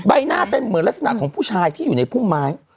ใบหน้าเป็นเหมือนลักษณะของผู้ชายที่อยู่ในพุ่มไม้